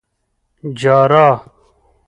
_جار!